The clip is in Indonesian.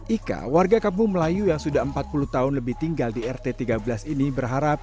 ika warga kampung melayu yang sudah empat puluh tahun lebih tinggal di rt tiga belas ini berharap